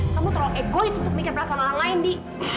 kamu terlalu egois untuk bikin perasaan orang lain di